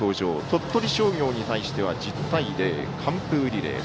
鳥取商業に対しては１０対０、完封リレー。